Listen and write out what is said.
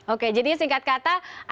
oke jadi singkat kata anda melihat